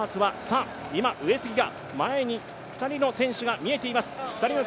今、上杉前に２人の選手が見えています。